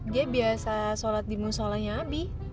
dia biasa sholat di muz sholahnya abi